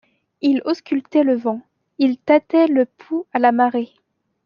Il auscultait le vent ; il tâtait le pouls à la marée.